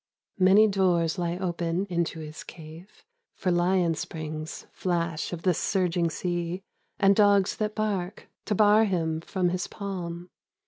Many doors he open into his cave, For hon springs, flash of the surging sea, And dogs that bark to bar him from his palm.